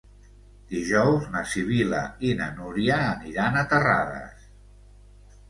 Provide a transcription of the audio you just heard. Dijous na Sibil·la i na Núria aniran a Terrades.